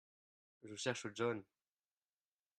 Je cherche John.